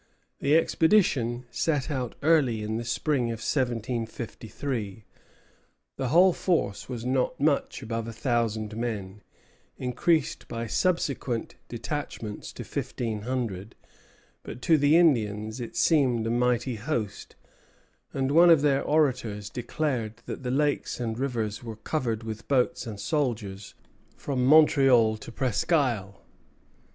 The expedition set out early in the spring of 1753. The whole force was not much above a thousand men, increased by subsequent detachments to fifteen hundred; but to the Indians it seemed a mighty host; and one of their orators declared that the lakes and rivers were covered with boats and soldiers from Montreal to Presquisle.